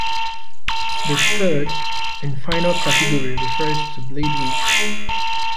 The third and final category refers to blade width.